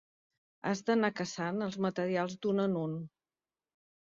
Has d'anar caçant els materials d'un en un.